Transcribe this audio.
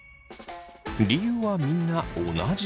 理由はみんな同じ。